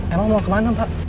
emang mau kemana mbak